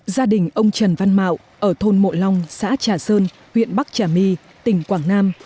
gia đình ông trần văn mạo ở thôn mộ long xã trà sơn huyện bắc trà my tỉnh quảng nam